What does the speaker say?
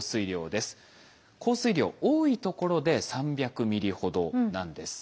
降水量多いところで３００ｍｍほどなんです。